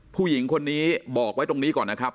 ผู้หญิงคนนี้บอกไว้ตรงนี้ก่อนนะครับ